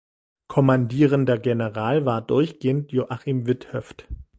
Kommandierender General war durchgehend Joachim Witthöft.